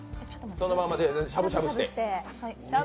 そのまましゃぶしゃぶして。